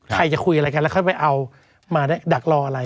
ใครจะคุยอะไรกันแล้วค่อยไปเอามาดักรออะไร